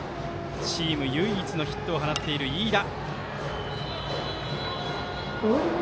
チーム唯一のヒットを放っている飯田。